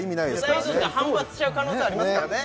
具材同士で反発しちゃう可能性ありますからね